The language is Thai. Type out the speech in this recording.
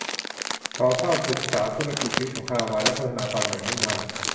เขาเฝ้าศึกษาธุรกิจชีวิตของฮาวายและพัฒนาตามอย่างมุ่งมั่น